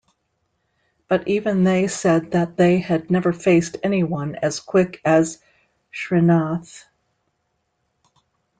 But even they said that they had never faced anyone as quick as Srinath.